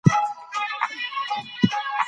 په تېره پېړۍ کې تاریخ په ایډیالوژیک منظر کې ووژل سو.